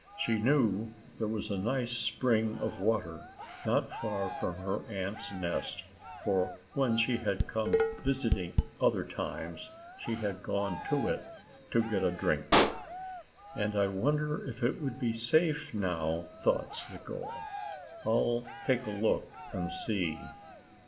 She knew there was a nice spring of water not far from her aunt's nest, for, when she had come visiting other times, she had gone to it to get a drink. "And I wonder if it would be safe now?" thought Slicko. "I'll take a look and see."